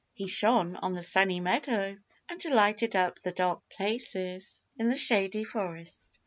He shone on the Sunny Meadow and lighted up the dark places in the Shady Forest.